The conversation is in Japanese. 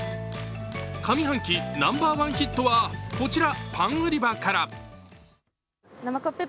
上半期ナンバーワンヒットはこちら、パン売り場から。